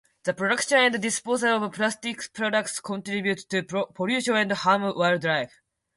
The production and disposal of plastic products contribute to pollution and harm wildlife.